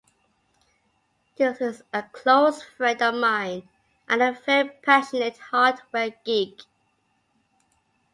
This is a close friend of mine and a very passionate hardware geek.